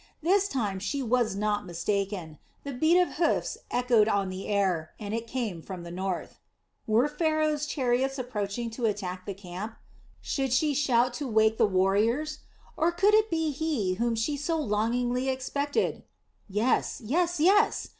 This time she was not mistaken, the beat of hoofs echoed on the air, and it came from the north. Were Pharaoh's chariots approaching to attack the camp? Should she shout to wake the warriors? Or could it be he whom she so longingly expected? Yes, yes, yes!